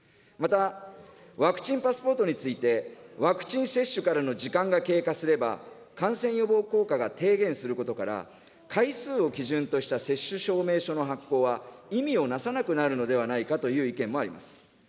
また、ワクチンパスポートについて、ワクチン接種からの時間が経過すれば、感染予防効果が逓減することから、回数を基準とした接種証明書の発行は、意味をなさなくなるのではないかという意見もあります。